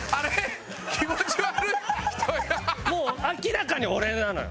もう明らかに俺なのよ。